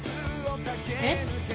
えっ？